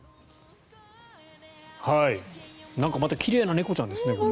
なんかまた奇麗な猫ちゃんですね。